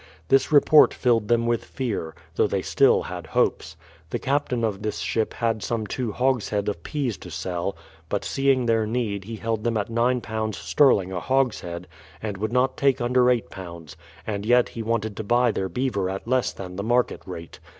This report filled them with fear, though they still had hopes. The captain of this ship had some two hogshead of peas to sell, but seeing their need he held them at ig sterling a hogshead, and would not take under £8, and yet he wanted to buy their beaver at less than the market rate.